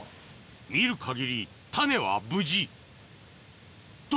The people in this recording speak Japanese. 見る限り種は無事と！